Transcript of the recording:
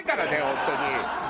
本当に。